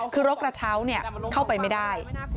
คือรถกระเช้าเข้าไปไม่ได้